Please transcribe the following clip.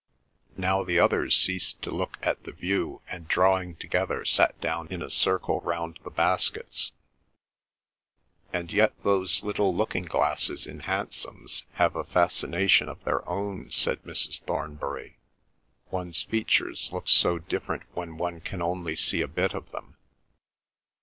Now the others ceased to look at the view, and drawing together sat down in a circle round the baskets. "And yet those little looking glasses in hansoms have a fascination of their own," said Mrs. Thornbury. "One's features look so different when one can only see a bit of them."